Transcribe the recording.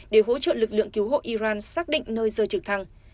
để hỗ trợ lực lượng cứu hộ iran xác định nơi rơi trực thăng